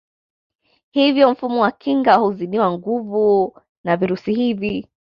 Hivyo mfumo wa kinga huzidiwa nguvu na virusi hivi